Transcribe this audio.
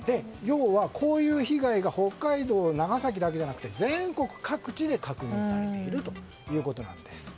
要はこういう被害が北海道、長崎だけじゃなくて全国各地で確認されているということなんです。